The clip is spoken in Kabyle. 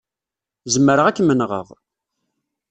Zemreɣ ad kem-nɣeɣ.